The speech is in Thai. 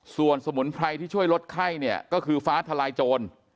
ส่วนสมุนไพรที่ช่วยลดไข้เนี่ยก็คือฟ้าทลายโจร